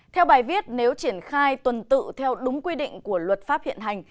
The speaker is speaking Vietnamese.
theo bài viết nếu triển khai tuần tự theo đúng quy định của luật pháp hiện hành